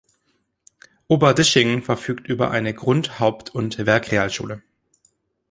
Oberdischingen verfügt über eine Grund-, Haupt- und Werkrealschule.